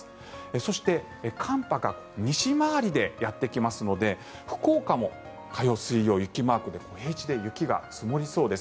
そして、寒波が西回りでやってきますので福岡も火曜、水曜、雪マークで平地で雪が積もりそうです。